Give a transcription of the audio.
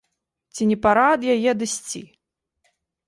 Ці не пара ад яе адысці?